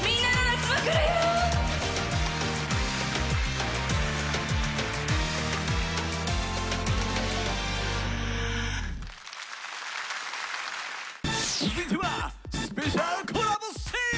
続いてはスペシャルコラボステージ！